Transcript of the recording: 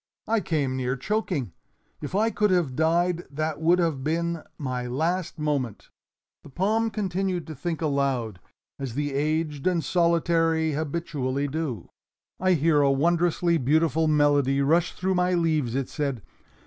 I came near choking. If I could have died that would have been my last moment." The palm continued to think aloud, as the aged and solitary habitually do. "I hear a wondrously beautiful melody rush through my leaves," it said.